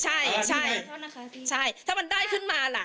ใช่ใช่ถ้ามันได้ขึ้นมาล่ะ